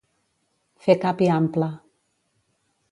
Fer cap i ample.